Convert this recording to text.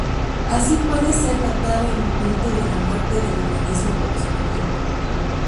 Así puede ser datado el momento de la muerte del organismo correspondiente.